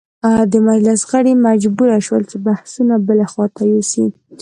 د مجلس غړي مجبور شول چې بحثونه بلې خواته یوسي.